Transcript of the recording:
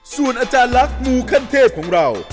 ส่วนอาจารย์ลักษณ์มูขั้นเทพของเรา